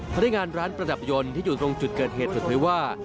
พนักงานร้านประดับยนต์ที่อยู่ตรงจุดเกิดเหตุเปิดเผยว่า